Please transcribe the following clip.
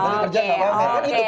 tapi kerja nggak pamer